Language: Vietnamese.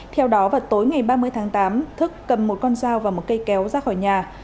theo đó vào tối ngày ba mươi tháng tám thức cầm một con dao và một cây kéo ra khỏi nhà